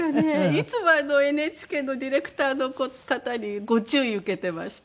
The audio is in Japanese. いつもＮＨＫのディレクターの方にご注意受けてました。